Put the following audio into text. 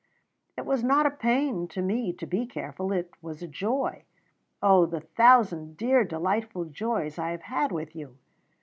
"It was not a pain to me to be careful; it was a joy. Oh, the thousand dear, delightful joys I have had with you!"